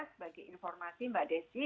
sebagai informasi mbak desi